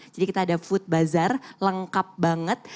jadi kita ada food bazar lengkap banget